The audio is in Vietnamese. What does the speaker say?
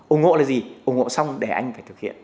ứng hộ là gì ứng hộ xong để anh phải thực hiện